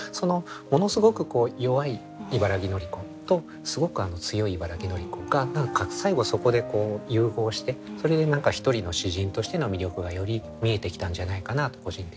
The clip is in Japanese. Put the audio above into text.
ものすごく弱い茨木のり子とすごく強い茨木のり子が最後はそこで融合してそれで何か一人の詩人としての魅力がより見えてきたんじゃないかなと個人的には思いますね。